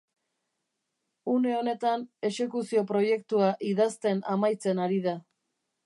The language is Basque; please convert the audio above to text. Une honetan exekuzio-proiektua idazten amaitzen ari da.